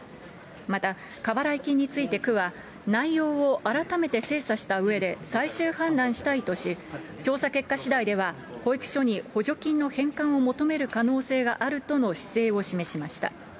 また過払い金について区は、内容を改めて精査したうえで、最終判断したいとし、調査結果しだいでは、保育所に補助金の返還を求める可能性があるとの姿勢を示しました。